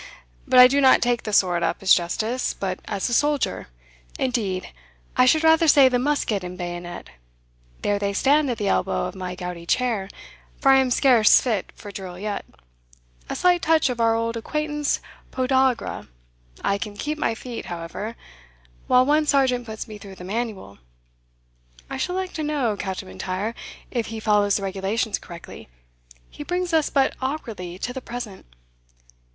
But I do not take the sword up as justice, but as a soldier indeed I should rather say the musket and bayonet there they stand at the elbow of my gouty chair, for I am scarce fit for drill yet a slight touch of our old acquaintance podagra; I can keep my feet, however, while our sergeant puts me through the manual. I should like to know, Captain M'Intyre, if he follows the regulations correctly he brings us but awkwardly to the present."